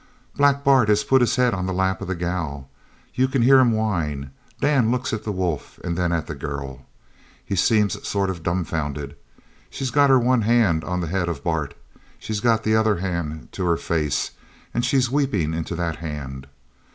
"Black Bart has put his head on the lap of the gal. You c'n hear him whine! Dan looks at the wolf an' then at the girl. He seems sort of dumbfoundered. She's got her one hand on the head of Bart. She's got the other hand to her face, and she's weepin' into that hand.